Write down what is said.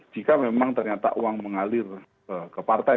jika memang ternyata uang mengalir ke partai